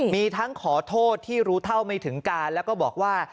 มีทั้งขอโทษที่รู้เท่าไม่ถึงการแล้วก็บอกว่า